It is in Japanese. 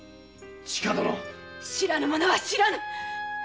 知らぬものは知らぬ！